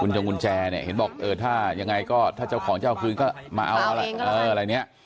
กุญแจเห็นบอกถ้าเจ้าของจะเอาคืนก็มาเอาเองก็ได้